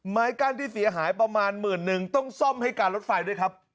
ไม้กั้นที่เสียหายประมาณหมื่นนึงต้องซ่อมให้การรถไฟด้วยครับ